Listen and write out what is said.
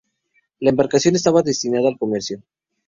La embarcación estaba destinada al comercio.